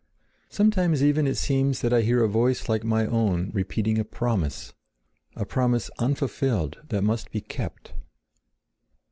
Sometimes, even, it seems that I hear a voice like my own repeating a promise—a promise unfulfilled that must be kept.